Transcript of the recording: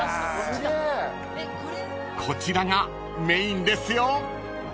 ［こちらがメインですよ］